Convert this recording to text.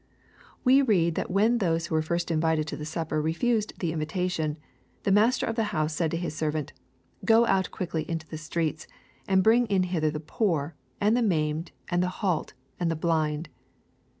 We read that when those who were first invited to the sup per refused the invitation, " the master of the house said to his servant. Go out quickly into the streets, and bring in hither the poor, and the maimed, and the halt, and the blind."